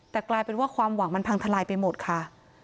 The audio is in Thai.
แต่กลายเป็นว่าความหวังมันพังทลายไปหมดค่ะ